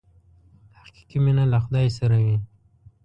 حقیقي مینه له خدای سره وي.